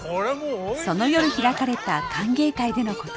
その夜開かれた歓迎会でのこと。